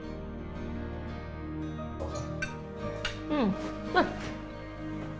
sekolah yang pintar ya